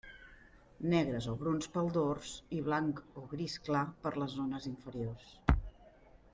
Negres o bruns pel dors i blanc o gris clar per les zones inferiors.